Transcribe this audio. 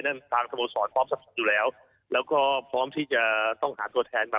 ทางสโมสรพร้อมอยู่แล้วแล้วก็พร้อมที่จะต้องหาตัวแทนมา